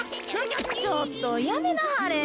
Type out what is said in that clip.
ちょっとやめなはれ。